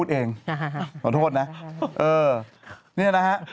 อื้ม